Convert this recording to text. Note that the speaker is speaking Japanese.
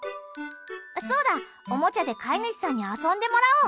そうだ、おもちゃで飼い主さんに遊んでもらおう。